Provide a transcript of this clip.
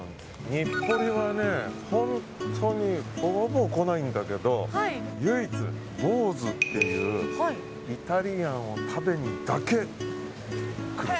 日暮里はほぼ来ないんだけど唯一、ボウズっていうイタリアンを食べにだけ来る。